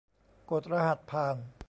กดรหัสผ่าน